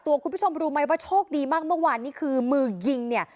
คุณผู้ชมรู้ไหมว่าโชคดีมากเมื่อวานนี้คือมือยิงเนี่ย